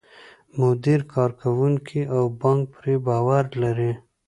مدیر، کارکوونکي او بانک پرې باور لري.